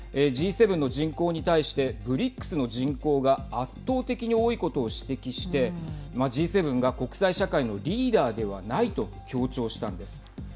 Ｇ７の人口に対してＢＲＩＣＳの人口が圧倒的に多いことを指摘してＧ７が国際社会のリーダーではないと強調したんです。